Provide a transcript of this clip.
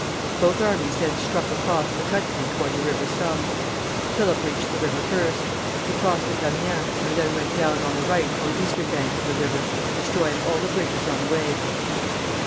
Both armies then struck across the country toward the River Somme. Philip reached the river first. He crossed at Amiens, and then went down on the right or eastern bank of the river, destroying all the bridges on the way.